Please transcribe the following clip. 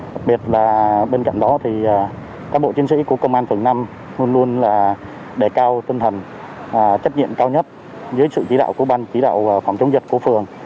đặc biệt là bên cạnh đó thì các bộ chiến sĩ của công an phường năm luôn luôn là đề cao tinh thần trách nhiệm cao nhất dưới sự chỉ đạo của ban chỉ đạo phòng chống dịch của phường